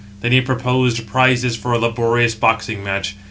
Then he proposed prizes for a laborious boxing match.